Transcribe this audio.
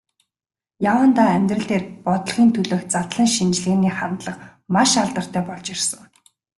Яваандаа амьдрал дээр, бодлогын төлөөх задлан шинжилгээний хандлага маш алдартай болж ирсэн.